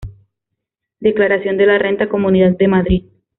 Declaración de la renta Comunidad de Madrid